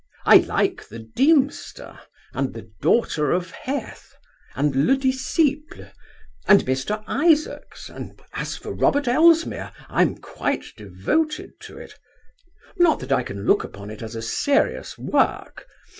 I like The Deemster, and The Daughter of Heth, and Le Disciple, and Mr. Isaacs, and as for Robert Elsmere, I am quite devoted to it. Not that I can look upon it as a serious work.